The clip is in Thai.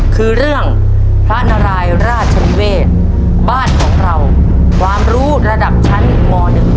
คือเรื่องพระนารายราชนิเวศบ้านของเราความรู้ระดับชั้นม๑